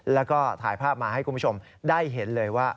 แล้วก็ถ่ายภาพมาให้คุณผู้ชมได้เห็นเลยว่า